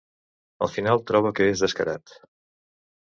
Al final, troba que és descarat.